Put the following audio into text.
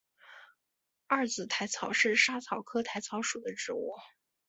二籽薹草是莎草科薹草属的植物。